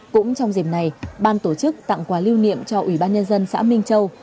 cũng trong dịp này ban tổ chức tặng quà lưu niệm cho ủy ban nhân dân xã minh châu